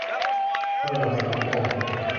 มรดกแห่งสังคม